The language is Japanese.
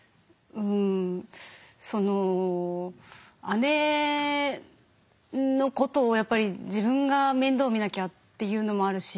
姉のことをやっぱり自分が面倒見なきゃっていうのもあるし